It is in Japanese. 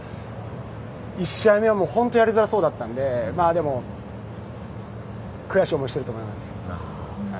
１試合目もやりづらそうだったので悔しい思いをしてると思います。